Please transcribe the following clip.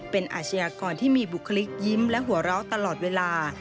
เป็นอาชญากรที่มีบุคลิกยิ้มและหัวเราะตลอดเวลา